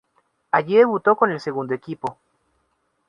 Allí debutó con el segundo equipo.